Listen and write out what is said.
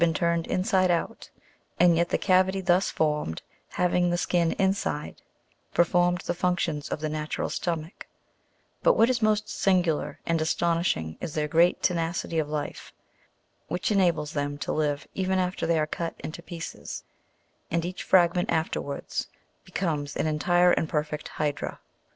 been turned inside out, and yet the cavity thus formed, having the skin inside, performed the functions of the natural stomach ; but what is most singular and as C tonishing is their great tenacity of life, which enables them to live even after they are cut into pieces, and each fragment afterwards be comes an entire and per fect hydra.